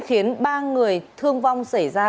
khiến ba người thương vong xảy ra